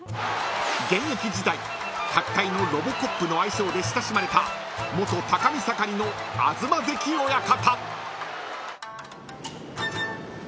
［現役時代角界のロボコップの愛称で親しまれた元高見盛の東関親方］